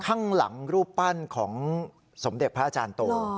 ข้างหลังรูปปั้นของสมเด็จพระอาจารย์โต